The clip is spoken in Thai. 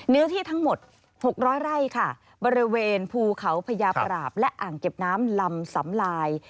เนื้อที่ทั้งหมด๖๐๐ไร่ค่ะบริเวณภูเขาพญาปราบและอ่างเก็บน้ำลำสำลาย